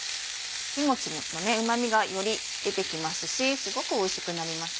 キムチもうま味がより出てきますしすごくおいしくなります。